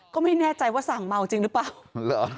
ก็ไม่แน่ใจว่าสั่งเมาจริงหรือเปล่า